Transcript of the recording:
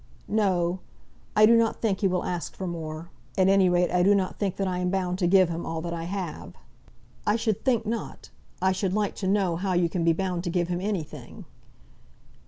"No; I do not think he will ask for more. At any rate, I do not think that I am bound to give him all that I have." "I should think not. I should like to know how you can be bound to give him anything?"